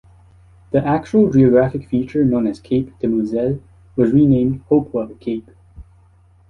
The actual geographic feature known as Cape Demoiselle was renamed Hopewell Cape.